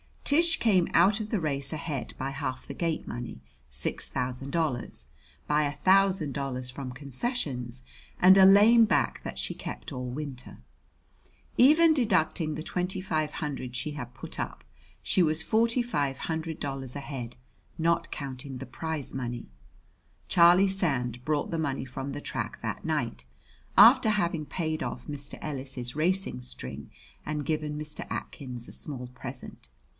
Tish came out of the race ahead by half the gate money six thousand dollars by a thousand dollars from concessions, and a lame back that she kept all winter. Even deducting the twenty five hundred she had put up, she was forty five hundred dollars ahead, not counting the prize money. Charlie Sand brought the money from the track that night, after having paid off Mr. Ellis's racing string and given Mr. Atkins a small present.